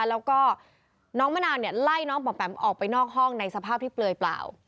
แล้วก็น้องมะนาวเนี่ยไล่น้องปอมแปมออกไปนอกห้องในสภาพที่เปลือยเปล่า